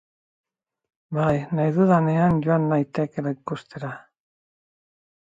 Bai, nahi dudanean joan naiteke ikustera.